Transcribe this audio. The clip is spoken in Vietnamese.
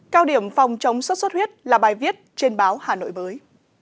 cao điểm phòng chống xuất xuất huyết là bài viết trên báo hà nội mới